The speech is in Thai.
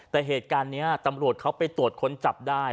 แต่เหตุการณ์นี้ตำรวจเขาไปตรวจค้นจับได้